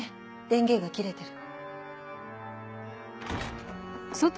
電源が切れてる。